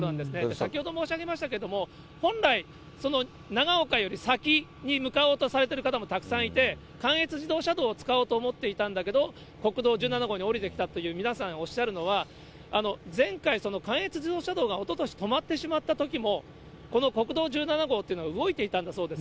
先ほど申し上げましたけど、本来、その長岡より先に向かおうとされている方もたくさんいて、関越自動車道を使おうと思っていたんだけども、国道１７号に下りてきたと皆さんおっしゃるのは、前回、関越自動車道がおととし、止まってしまったときも、この国道１７号というのは動いていたそうなんです。